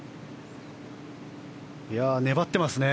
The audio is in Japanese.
粘っていますね。